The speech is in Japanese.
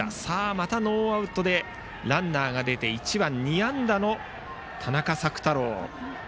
またノーアウトでランナーが出て１番、２安打の田中朔太郎。